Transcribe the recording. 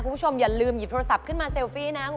คุณผู้ชมอย่าลืมหยิบโทรศัพท์ขึ้นมาเซลฟี่นะ